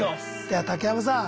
では竹山さん